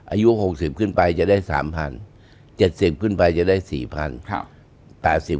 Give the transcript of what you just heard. อายุหกสิบขึ้นไปจะได้สามพัน๗๐ขึ้นไปจะได้สี่พันครับ